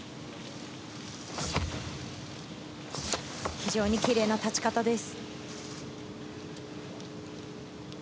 非常にキレイな立ち方です。